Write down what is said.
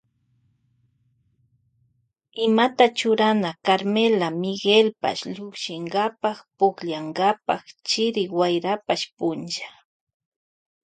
Imata churana Carmela Miguelpash llukshinkapa pukllankapa chiri wayrapash punlla.